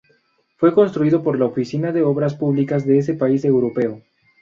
Fue construido por la Oficina de Obras Públicas de ese país europeo.